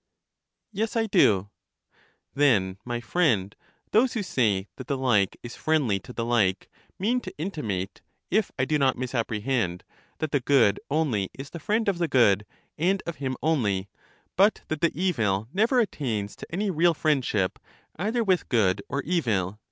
Yes, I do. Then, my friend, those who say that the like is 66 LYSIS friendly to the like mean to intimate, if I do not mis apprehend, that the good only is the friend of the good, and of him only ; but that the evil never attains to any real friendship, either with good or evil.